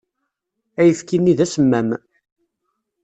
Ayefki-nni d asemmam.